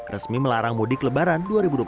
resmi melarang mudik lebaran dua ribu dua puluh